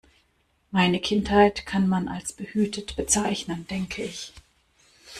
Meine Kindheit kann man als behütet bezeichnen, denke ich.